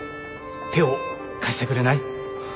手を貸してくれない？